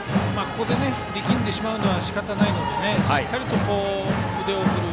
ここで力んでしまうのはしかたがないのでしっかりと腕を振る。